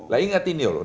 nah ingat ini loh